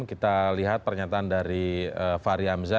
kita lihat pernyataan dari fahri hamzah